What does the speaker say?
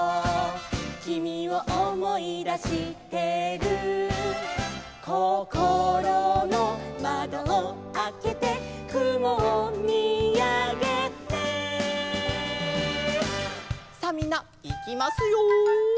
「君を思い出してる」「こころの窓をあけて」「雲を見あげて」さあみんないきますよ。